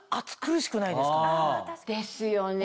ですよね。